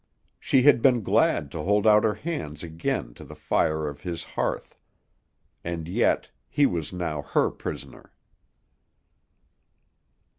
She had been glad to hold out her hands again to the fire on his hearth. And yet he was now her prisoner.